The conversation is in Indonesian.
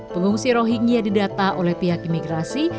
pengungsi rohingya didata oleh pihak imigrasi